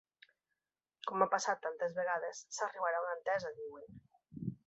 Com ha passat tantes vegades, s’arribarà a una entesa, diuen.